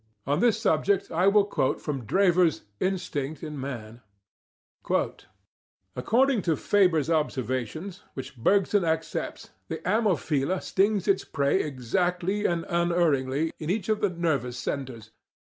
On this subject I will quote from Drever's "Instinct in Man," p. 92: "According to Fabre's observations, which Bergson accepts, the Ammophila stings its prey EXACTLY and UNERRINGLY in EACH of the nervous centres.